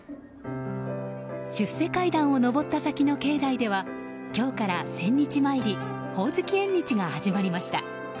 出世階段を上った先の境内では今日から千日詣りほおづき縁日が始まりました。